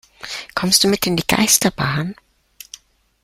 Kommst du mit in die Geisterbahn?